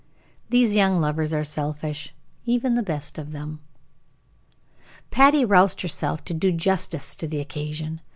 These young lovers are selfish, even the best of them. Patty roused herself to do justice to the occasion.